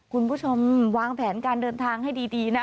คุณผู้ชมวางแผนการเดินทางให้ดีนะ